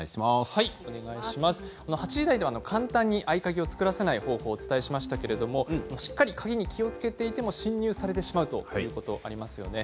８時台では簡単に合鍵を作らせない方法をお伝えしましたがしっかり鍵に気をつけていても侵入されてしまうことがありますよね。